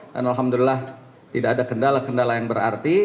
dan alhamdulillah tidak ada kendala kendala yang berarti